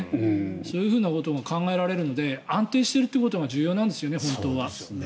そういうことも考えられるので安定していることが重要なんですよね、本当は。